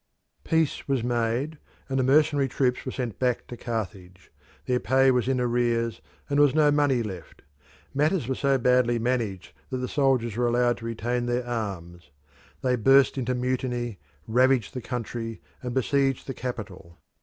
Peace was made, and the mercenary troops were sent back to Carthage. Their pay was in arrear, and there was no money left. Matters were so badly managed that the soldiers were allowed to retain their arms. They burst into mutiny, ravaged the country, and besieged the capital.